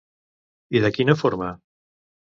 I de quina forma?